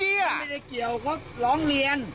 ไม่ได้เกี่ยวเขาร้องเรียน